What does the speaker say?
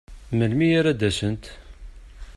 Melmi ara d-asent?